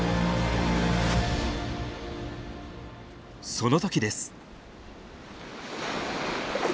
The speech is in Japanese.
その時です。